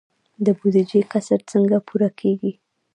د بودیجې کسر څنګه پوره کیږي؟